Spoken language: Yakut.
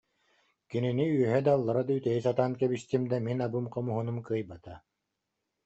Кинини үөһэ да, аллара да үтэйэ сатаан кэбистим да, мин абым-хомуһунум кыайбата